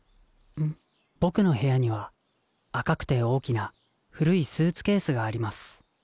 僕の部屋には赤くて大きな古いスーツケースがあります。